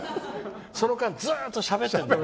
その間ずっとしゃべってる。